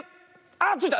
あついた！